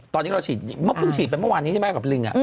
เพิ่งฉีดเป็นมันเมื่อวานนี้ใช่ไหมครับ